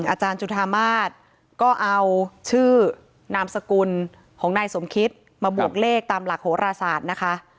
อาจารย์จุธามาศก็เอาชื่อนามสกุลของนายสมคิตมาบวกเลขตามหลักโหราศาสตร์นะคะ